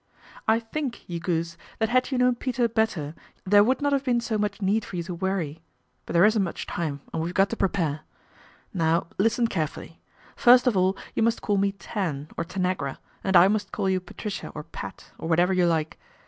" I think, you goose, that had you known Peter better there would not have been so much need for you to worry ; but there isn't much time and we've got to prepare. Now listen carefully. First of all you must call me Tan or Hanagra, and I must call you Patricia or Pat, or whatever you like.